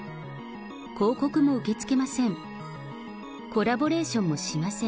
広告も受け付けません。